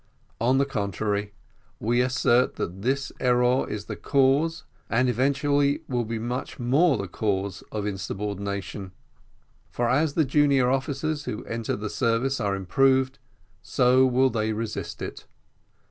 On the contrary, we assert that this error is the cause, and eventually will be much more the cause, of insubordination; for as the junior officers who enter the service are improved, so will they resist it.